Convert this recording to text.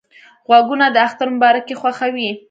غوږونه د اختر مبارکۍ خوښوي